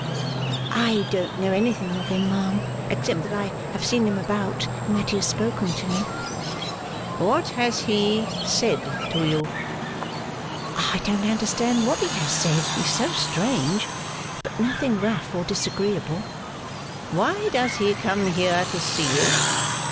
'I don't know anything of him, ma'am, except that I have seen him about, and that he has spoken to me.' 'What has he said to you?' 'I don't understand what he has said, he is so strange. But nothing rough or disagreeable.' 'Why does he come here to see you?